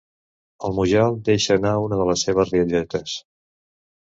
El Mujal deixa anar una de les seves rialletes.